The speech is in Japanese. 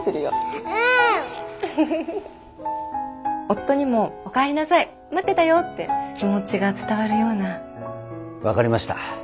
夫にも「お帰りなさい待ってたよ！」って気持ちが伝わるよう分かりました。